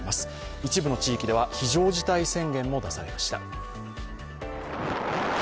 一部の地域では非常事態宣言も出されました。